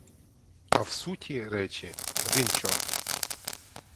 А в суті речі — один чорт.